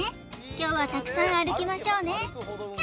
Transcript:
今日はたくさん歩きましょうね